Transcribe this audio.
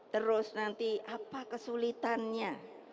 terus nanti apa kesulitannya